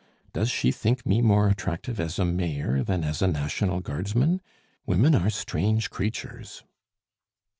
Does she think me more attractive as a Mayor than as a National Guardsman? Women are strange creatures!"